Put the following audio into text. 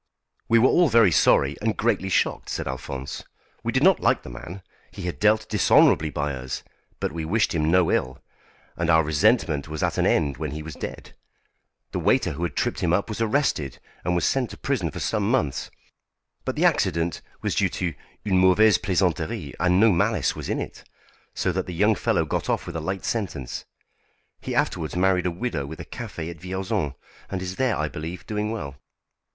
"We were all very sorry and greatly shocked," said Alphonse; "we did not like the man, he had dealt dishonourably by us, but we wished him no ill, and our resentment was at an end when he was dead. The waiter who had tripped him up was arrested, and was sent to prison for some months, but the accident was due to une mauvaise plaisanterie and no malice was in it, so that the young fellow got off with a light sentence. He afterwards married a widow with a café at Vierzon, and is there, I believe, doing well.